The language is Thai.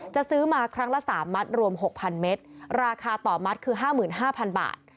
จะซื้อมาครั้งละ๓มัดรวม๖๐๐เมตรราคาต่อมัดคือ๕๕๐๐บาท